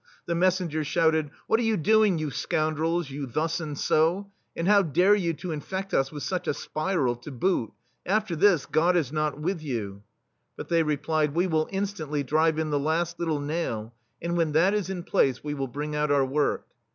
The messengers shouted : "What are you doingj you scoundrels, you thus and so ? And how dare you to infeft us with such a spiral, to boot ? After this, God is not with you !'* But they replied :" We will instantly drive in the last little nail, and when that is in place, we will bring out our work."